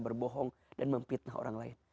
berbohong dan memfitnah orang lain